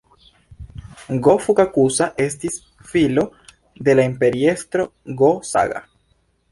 Go-Fukakusa estis filo de la imperiestro Go-Saga.